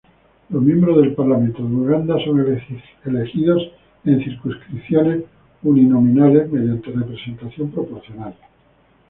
Los miembros del Parlamento de Uganda son elegidos en circunscripciones uninominales mediante representación proporcional.